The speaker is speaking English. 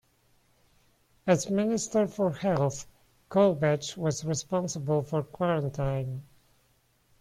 As minister for health, Colebatch was responsible for quarantine.